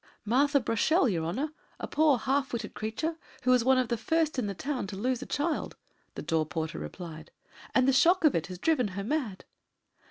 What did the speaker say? "Martha Brochel, your honour, a poor half witted creature, who was one of the first in the town to lose a child," the door porter replied; "and the shock of it has driven her mad!"